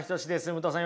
武藤さん